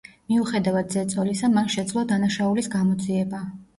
მიუხედავად ზეწოლისა, მან შეძლო დანაშაულის გამოძიება.